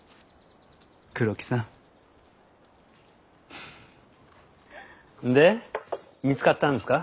黒木さん。で見つかったんですか？